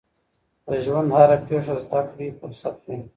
د ژوند هره پیښه زده کړې فرصت دی.